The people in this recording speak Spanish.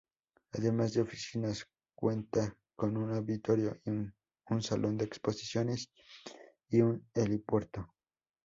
Además de oficinas cuenta con un auditorio, un salón de exposiciones y un helipuerto.